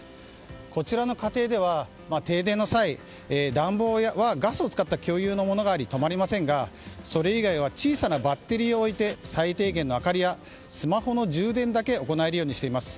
こちらの家庭では停電の際暖房はガスを使った共有のものがあり止まりませんがそれ以外は小さなバッテリーを置いて最低限の明かりやスマホの充電だけ行えるようにしています。